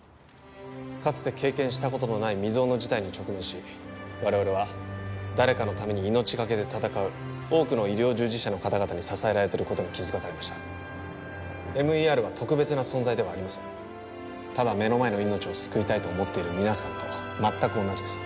かつて経験したことのない未曽有の事態に直面し我々は誰かのために命がけで闘う多くの医療従事者の方々に支えられてることに気づかされましたＭＥＲは特別な存在ではありませんただ目の前の命を救いたいと思っている皆さんと全く同じです